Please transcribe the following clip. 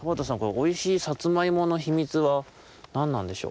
おいしいさつまいものひみつはなんなんでしょう。